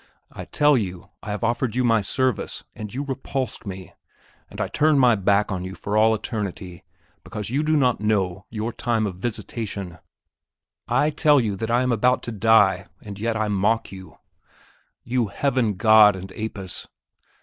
I tell you, I have offered you my service, and you repulsed me; and I turn my back on you for all eternity, because you did not know your time of visitation! I tell you that I am about to die, and yet I mock you! You Heaven God and Apis!